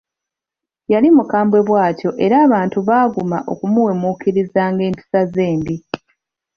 Yali mukambwe bw'atyo era abantu baaguma okumuwemuukirizanga empisa ze embi.